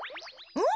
うん。